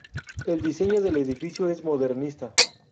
El diseño del edificio es modernista.